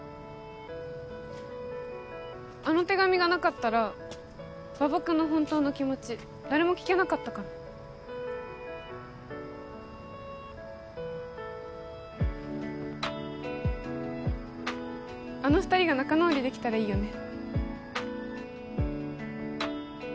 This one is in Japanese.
あの手紙がなかったら馬場君の本当の気持ち誰も聞けなかったからあの２人が仲直りできたらいいよね